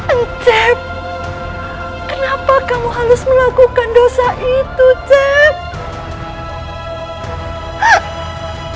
encep kenapa kamu harus melakukan dosa itu cep